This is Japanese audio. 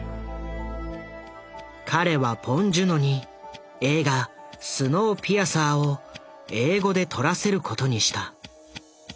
彼はポン・ジュノに映画「スノーピアサー」を英語で撮らせることにした。